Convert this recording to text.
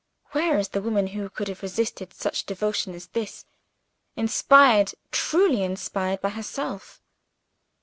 Where is the woman who could have resisted such devotion as this inspired, truly inspired, by herself?